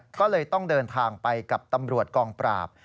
ก็เลยต้องเดินทางไปกับตำรวจกองปราบ